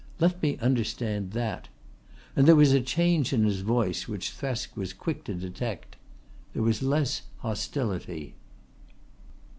"Let me understand that!" and there was a change in his voice which Thresk was quick to detect. There was less hostility.